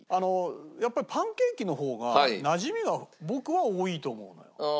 やっぱりパンケーキの方がなじみが僕は多いと思うのよ。